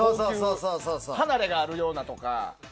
離れがあるようなところとか。